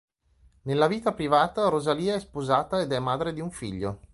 Nella vita privata Rosalia è sposata ed è madre di un figlio.